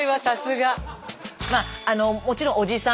まああのもちろんおじさん